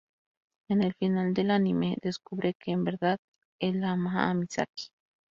En el final del anime, descubre que en verdad el ama a Misaki.